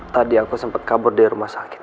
tadi aku sempat kabur dari rumah sakit